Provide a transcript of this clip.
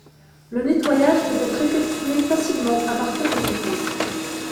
Le nettoyage peut être effectué facilement à partir de ce point.